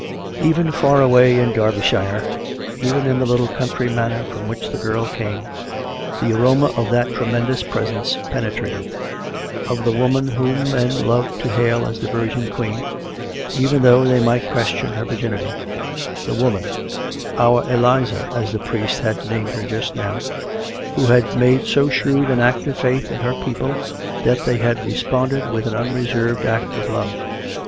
Even far away in Derbyshire — even in the little country manor from which the girl came, the aroma of that tremendous presence penetrated — of the woman whom men loved to hail as the Virgin Queen, even though they might question her virginity ; the woman —" our Eliza," as the priest had named her just now — who had made so shrewd an act of faith in her people that they had responded with an unreserved act of love.